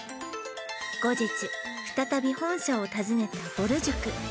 後日再び本社を訪ねたぼる塾